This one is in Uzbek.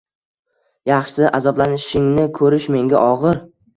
Yaxshisi: “Azoblanishingni ko‘rish menga og‘ir.